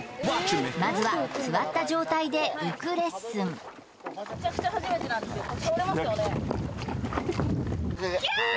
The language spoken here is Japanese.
まずは座った状態で浮くレッスンキャー！